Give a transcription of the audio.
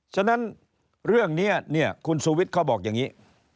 ฉะนั้นเรื่องนี้คุณชุวิตเขาบอกอย่างนี้